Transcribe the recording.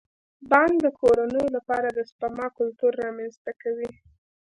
بانک د کورنیو لپاره د سپما کلتور رامنځته کوي.